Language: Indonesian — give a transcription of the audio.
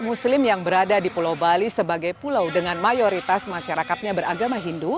muslim yang berada di pulau bali sebagai pulau dengan mayoritas masyarakatnya beragama hindu